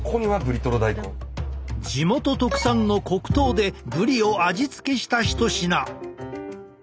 地元特産の黒糖でブリを味付けした一品。